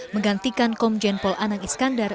menggantikan komjen pol anang iskandar